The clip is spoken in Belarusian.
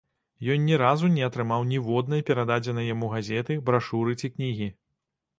Ён ні разу не атрымаў ніводнай перададзенай яму газеты, брашуры ці кнігі.